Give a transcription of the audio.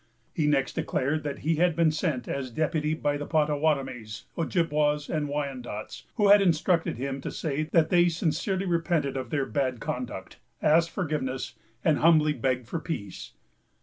He next declared that he had been sent as deputy by the Pottawattamies, Ojibwas, and Wyandots, who had instructed him to say that they sincerely repented of their bad conduct, asked forgiveness, and humbly begged for peace.